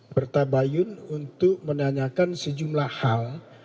bertabayun untuk menanyakan sejumlah hal